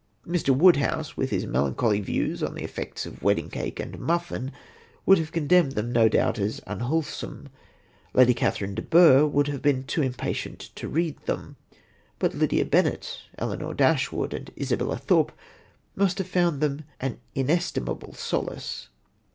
Mr. Woodhouse, with his melancholy views on the effects of wedding cake and muffin, would have condemned them, no doubt, as unwholesome; Lady Catherine de Bourgh would have been too impatient to read them; but Lydia Bennet, Elinor Dashwood and Isabella Thorpe must have found in them an inestimable solace.